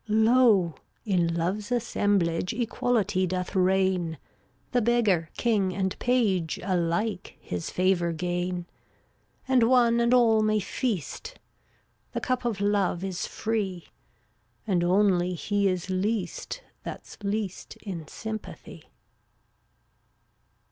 400 Lo! in Love's assemblage Equality doth reign; The beggar, king and page Alike his favor gain. And one and all may feast; The cup of love is free, And only he is least That's least in sympathy.